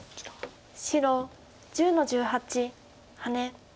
白１０の十八ハネ。